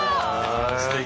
すてき。